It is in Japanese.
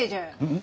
ん？